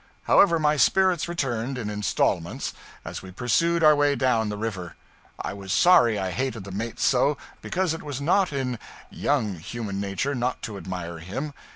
However, my spirits returned, in installments, as we pursued our way down the river. I was sorry I hated the mate so, because it was not in (young) human nature not to admire him.